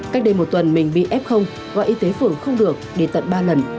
cách đây một tuần mình bị f và y tế phưởng không được đi tận ba lần